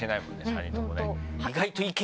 ３人ともね。